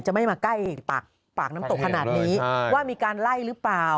ไม่มาใกล้ปากน้ำตกขนาดนี้ว่ามีการไล่หรือเปล่า